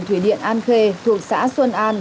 thủy điện an khê thuộc xã xuân an